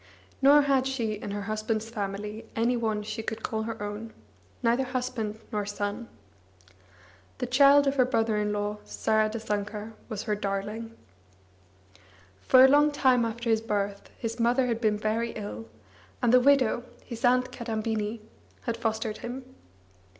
Nor had she in her husband's family any one she could call her own, neither husband nor son. The child of her brother in law Saradasankar was her darling. Far a long time after his birth, his mother had been very ill, and the widow, his aunt Kadambini, had fostered him.